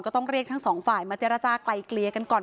ต้องเรียกทั้งสองฝ่ายมาเจรจากลายเกลียกันก่อน